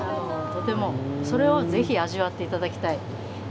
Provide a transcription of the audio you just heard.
それをぜひ味わっていただきたい。